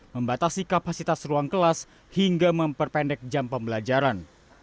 membatasi kapasitas ruang kelas hingga memperpendek jam pembelajaran